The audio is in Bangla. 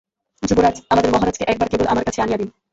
যুবরাজ, আমাদের মহারাজকে একবার কেবল আমার কাছে আনিয়া দিন।